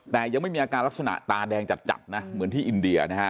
แต่ยังไม่มีอาการลักษณะตาแดงจัดนะเหมือนที่อินเดียนะฮะ